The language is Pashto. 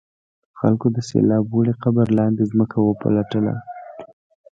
خلکو د سیلاب وړي قبر لاندې ځمکه وپلټله.